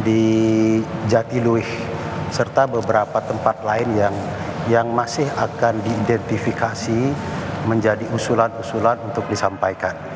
di jatiluih serta beberapa tempat lain yang masih akan diidentifikasi menjadi usulan usulan untuk disampaikan